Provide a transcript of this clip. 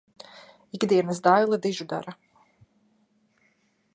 Ikdienas daile dižu dara.